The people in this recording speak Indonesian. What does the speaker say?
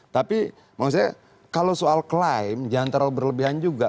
tapi kalau soal klaim jangan terlalu berlebihan juga